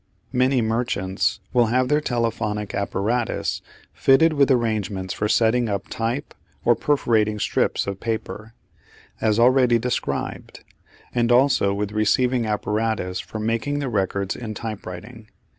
Many merchants will have their telephonic apparatus fitted with arrangements for setting up type or perforating strips of paper, as already described; and also with receiving apparatus for making the records in typewriting.